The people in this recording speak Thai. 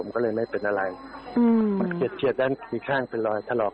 ก็เลยไว้เป็นอะไรอืมเซียดด้านอีกข้างเป็นอร่อยถลอก